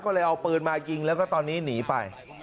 ก็เลยเอาปืนมายิงแล้วก็ตอนนี้หนีไป